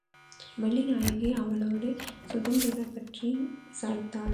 வள்ளிநாயகி ஆவலோடு சுந்தரத்தைப்பற்றி விசாரித்தாள்.